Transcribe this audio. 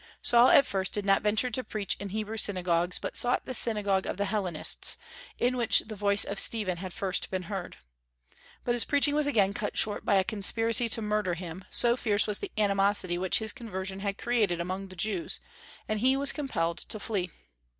Saul at first did not venture to preach in Hebrew synagogues, but sought the synagogue of the Hellenists, in which the voice of Stephen had first been heard. But his preaching was again cut short by a conspiracy to murder him, so fierce was the animosity which his conversion had created among the Jews, and he was compelled to flee.